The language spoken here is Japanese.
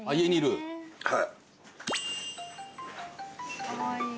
はい。